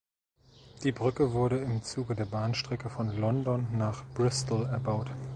Die Brücke wurde im Zuge der Bahnstrecke von London nach Bristol erbaut.